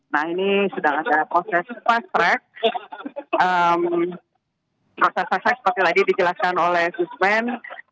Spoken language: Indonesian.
nah ini sedang ada proses fast track proses seperti tadi dijelaskan oleh suspen